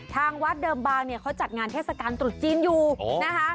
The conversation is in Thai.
ทางวัดเดิมบางเนี่ยเขาจัดงานเทศกาลตรุษจีนอยู่นะคะ